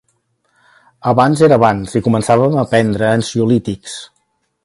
Abans era abans i començàvem a prendre ansiolítics.